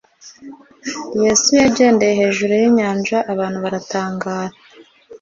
yesu yagendeye hejuru yinyaja abantu baratangara